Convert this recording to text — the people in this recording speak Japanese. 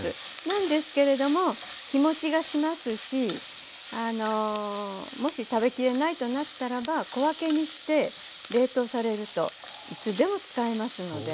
なんですけれども日もちがしますしもし食べ切れないとなったらば小分けにして冷凍されるといつでも使えますので。